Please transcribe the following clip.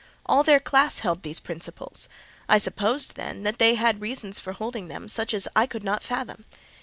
All their class held these principles: I supposed, then, they had reasons for holding them such as I could not fathom.